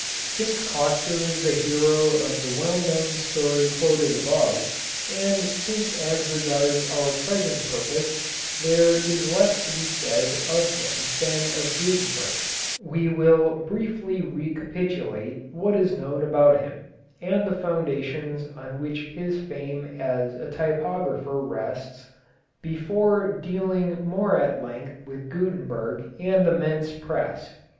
Since Coster is the hero of the well known story quoted above, and since as regards our present purpose there is less to be said of him than of Gutenberg, we will briefly recapitulate what is known about him, and the foundations on which his fame as a typographer rests, before dealing more at length with Gutenberg and the Mentz press.